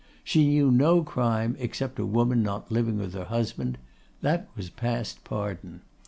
She knew no crime except a woman not living with her husband; that was past pardon.